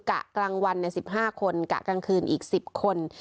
กะกลางวัน๑๕คนกะกลางคืนอีก๑๐คน